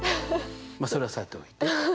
まあそれはさておいて。